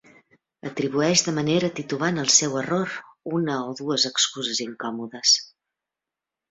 Atribueix de manera titubant al seu error una o dues excuses incòmodes.